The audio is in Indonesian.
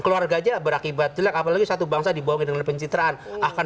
keluarganya berakibat jelek apalagi satu bangsa dibohongi dengan pencitraan akan